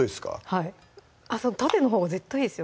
はいあっ縦のほうが絶対いいですよ